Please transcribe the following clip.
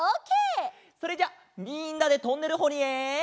それじゃあみんなでトンネルほりへ。